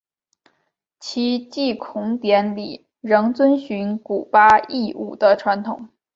其祭孔典礼仍遵循古八佾舞的传统。